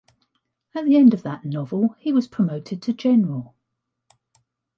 At the end of that novel he was promoted to General.